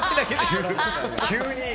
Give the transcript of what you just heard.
急に。